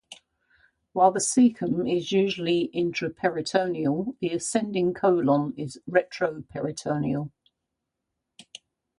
While the cecum is usually intraperitoneal, the ascending colon is retroperitoneal.